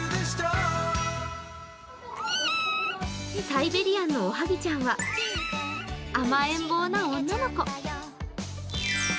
サイベリアンのおはぎちゃんは甘えん坊な女の子。